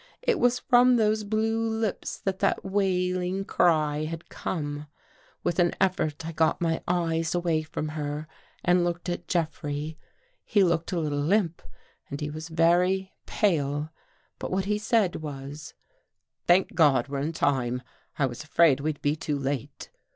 It was from those blue lips that that wailing cry had come. With an effort I got my eyes away from her and looked at Jeffrey. He looked a little limp and he 284 WHAT WE SAW IN THE CAVE was very pale. But what he said was :" Thank God, we're in time. I was afraid we'd be too late."